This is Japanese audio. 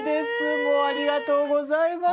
もうありがとうございます。